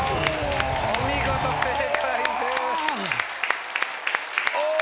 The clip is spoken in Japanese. お見事正解です。